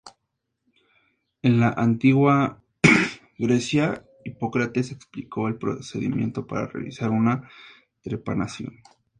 En la antigua Grecia, Hipócrates explicó el procedimiento para realizar una trepanación.